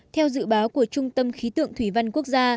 theo dự báo của trung tâm khí tượng thủy văn quốc gia